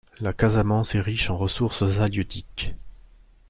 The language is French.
La Casamance est riche en ressources halieutiques.